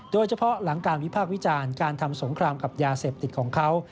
โดยเฉพาะหลังการวิพากษ์วิจารณ์การทำสงครามกับยาเสพติดของเขา